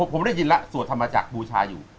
ผมได้ยินแล้วสวดธรรมจักรบูชาอยู่